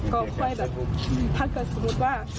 ก็ค่อยแบบถ้าเกิดสมมุติว่า